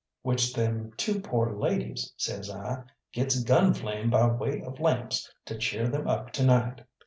"Which them two pore ladies," says I, "gets gun flame by way of lamps to cheer them up to night."